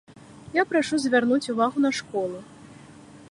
Я прашу звярнуць увагу на школу.